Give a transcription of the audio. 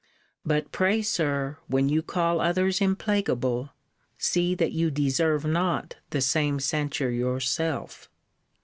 But pray, Sir, when you call others implacable, see that you deserve not the same censure yourself.